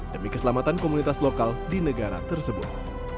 demi keselamatan komunitas lokal di negara tersebut